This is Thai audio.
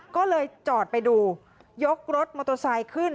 ก็เลยจอดไปดูยกรถมอโตซายขึ้น